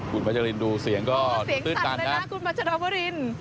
คุณมัจจรินดูเสียงก็ตื้นตันเลยนะคุณมัจจริน